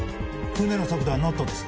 船の速度はノットです。